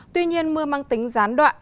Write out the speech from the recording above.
tuy nhiên mưa mang tính gián đoạn